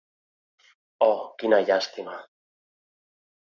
Oh, quina llàstima!